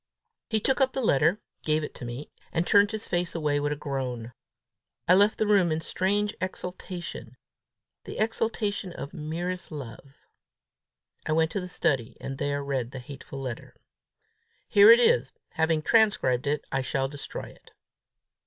He took up the letter, gave it to me, and turned his face away with a groan. I left the room in strange exaltation the exaltation of merest love. I went to the study, and there read the hateful letter. Here it is. Having transcribed it, I shall destroy it.